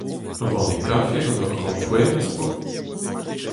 Ur banne kafe gant ur grampouezhenn az po ?